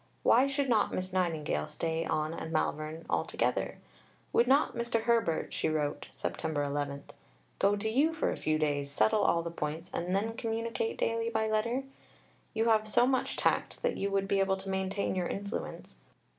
Why should not Miss Nightingale stay on at Malvern altogether? "Would not Mr. Herbert," she wrote (Sept. 11), "go to you for a few days, settle all the points, and then communicate daily by letter? You have so much tact that you would be able to maintain your influence.